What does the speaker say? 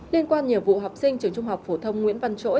liên quan nhiều vụ học sinh trường trung học phổ thông nguyễn văn chỗi